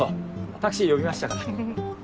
タクシー呼びましたから。